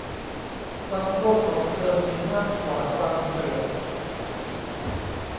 ความโลภของเธอมีมากกว่าความเกลียด